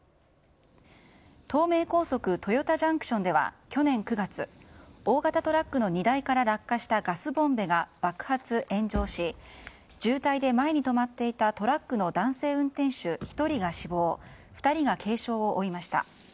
東名高速豊田ＪＣＴでは去年９月大型トラックの荷台から落下したガスボンベが渋滞で前に止まっていたトラックの男性運転手１人が死亡２人が軽傷を負いました。